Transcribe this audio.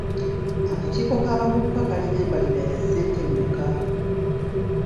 Akakiiko k'abavubuka kalina embalirira ya ssente mmeka?